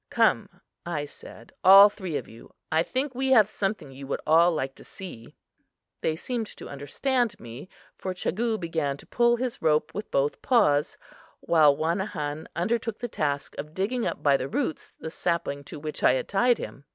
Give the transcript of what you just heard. "Come," I said, "all three of you. I think we have something you would all like to see." They seemed to understand me, for Chagoo began to pull his rope with both paws, while Wanahon undertook the task of digging up by the roots the sapling to which I had tied him.